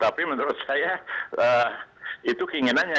tapi menurut saya itu keinginannya